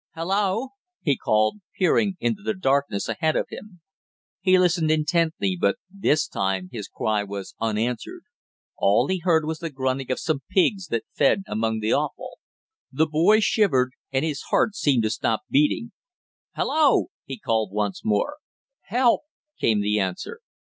"Hullo!" he called, peering into the darkness ahead of him. He listened intently, but this time his cry was unanswered; all he heard was the grunting of some pigs that fed among the offal. The boy shivered and his heart seemed to stop beating. "Hullo!" he called once more. "Help!" came the answer.